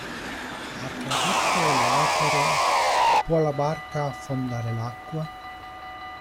Ha tradotto le opere "Può la barca affondare l'acqua?